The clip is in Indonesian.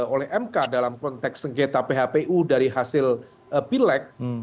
oleh mk dalam konteks sengketa phpu dari hasil pilek